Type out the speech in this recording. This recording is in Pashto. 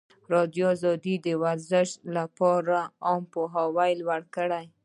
ازادي راډیو د ورزش لپاره عامه پوهاوي لوړ کړی.